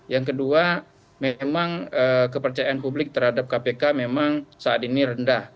yang kedua memang kepercayaan publik terhadap kpk memang saat ini rendah